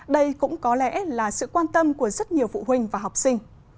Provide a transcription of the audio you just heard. đây cũng có lẽ là sự quan tâm của rất nhiều phụ huynh và học sinh